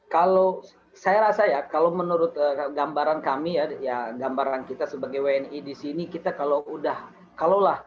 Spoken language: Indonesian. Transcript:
kalau saya rasa ya kalau menurut gambaran kami ya gambaran kita sebagai wni di sini kita kalau udah kalau lah